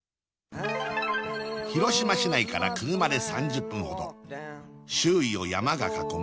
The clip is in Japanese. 広島市内から車で３０分ほど周囲を山が囲む